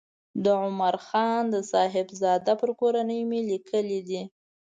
د عمر جان صاحبزاده پر کورنۍ مې لیکلې ده.